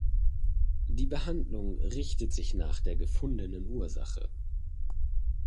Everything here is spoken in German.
Die Behandlung richtet sich nach der gefundenen Ursache.